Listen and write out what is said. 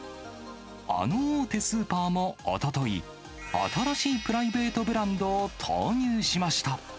あの大手スーパーもおととい、新しいプライベートブランドを投入しました。